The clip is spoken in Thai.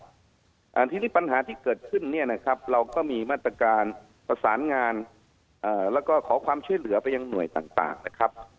ทีนี้ปัญหาที่เกิดขึ้นเนี่ยนะครับเราก็มีมาตรการประสานงานแล้วก็ขอความช่วยเหลือไปยังหน่วยต่างนะครับ